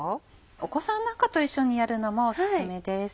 お子さんなんかと一緒にやるのもお薦めです。